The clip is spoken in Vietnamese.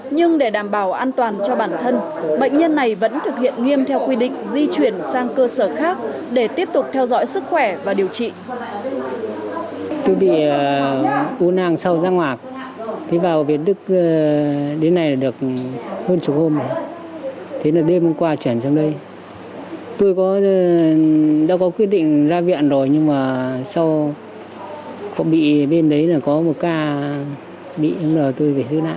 nhưng để đảm bảo an toàn cho bản thân bệnh nhân này vẫn thực hiện nghiêm theo quy định di chuyển sang cơ sở khác để tiếp tục theo dõi sức khỏe và điều trị